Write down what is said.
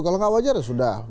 kalau nggak wajar ya sudah